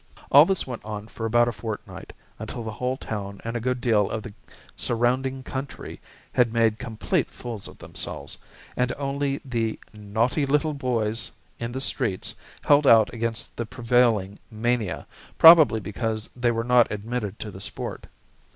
All this went on for about a fortnight, until the whole town and a good deal of the surrounding country had made complete fools of themselves, and only the "naughty little boys" in the streets held out against the prevailing mania, probably because they were not admitted to the sport.